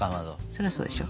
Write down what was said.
そらそうでしょ。